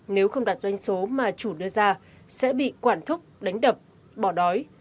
nếu không đặt doanh số mà chủ đưa ra sẽ bị quản thúc đánh đập bỏ đói